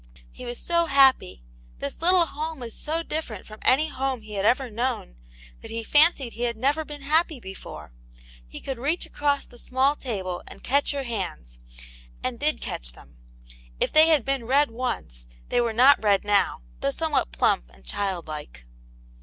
He was so happy ; this little home was so different from any home he had ever known that he fancied he had never been happy before. He could reach, across the small table and catch \vet \\;xTvd^, ^Tvi did A tint Jane's Hero, 99 catch them ; if they had been red once they were not red now, though somewhat plump and childlike.